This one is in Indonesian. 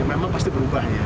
memang pasti berubah ya